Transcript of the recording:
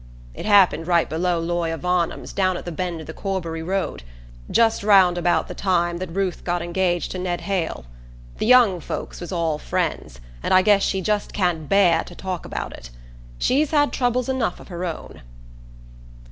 It happened right below lawyer Varnum's, down at the bend of the Corbury road, just round about the time that Ruth got engaged to Ned Hale. The young folks was all friends, and I guess she just can't bear to talk about it. She's had troubles enough of her own."